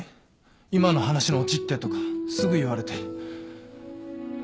「今の話のオチって？」とかすぐ言われて。